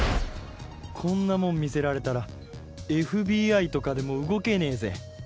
こんなもん見せられたら ＦＢＩ とかでも動けねえぜ